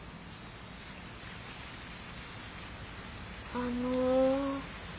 あの。